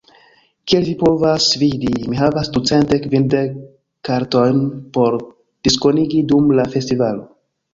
Kiel vi povas vidi, mi havas ducent kvindek kartojn, por diskonigi dum la festivalo.